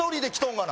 がな